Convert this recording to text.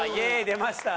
出ました。